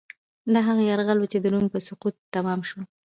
دا هغه یرغل و چې د روم په سقوط تمام شو.